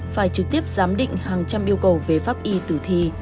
phải trực tiếp giám định hàng trăm yêu cầu về pháp y tử thi